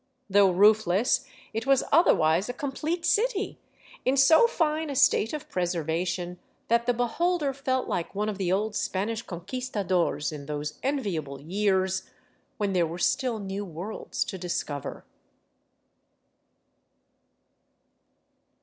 Though roofless, it was otherwise a complete city, in so fine a state of preservation that the beholder felt like one of the old Spanish Conquistadores in those enviable years when there were still new worlds to discover.